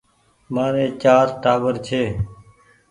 مآري چآر ٽآٻر ڇي